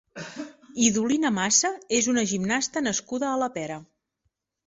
Idolina Massa és una gimnasta nascuda a la Pera.